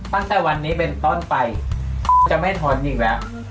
ตั้งแต่วันนี้เป็นต้นไปจะไม่ทนอีกแล้ว